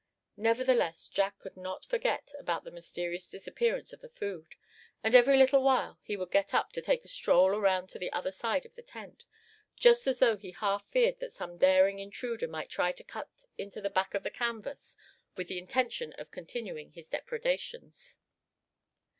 Nevertheless Jack could not forget about the mysterious disappearance of the food, and every little while he would get up, to take a stroll around to the other side of the tent; just as though he half feared that some daring intruder might try to cut into the back of the canvas, with the intention of continuing his depredations.